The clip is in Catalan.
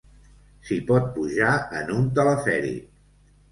S'hi pot pujar en un telefèric.